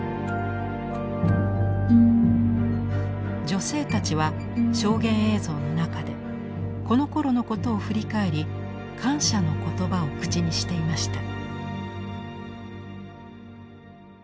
女性たちは証言映像の中でこのころのことを振り返り感謝の言葉を口にしていました。